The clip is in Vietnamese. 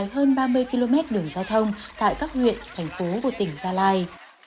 hơn ba mươi km đường giao thông tại các huyện thành phố của tỉnh gia lai